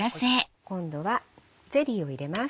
今度はゼリーを入れます。